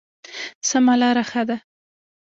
سمه لاره ښه ده.